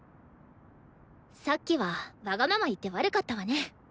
さっきはわがまま言って悪かったわね。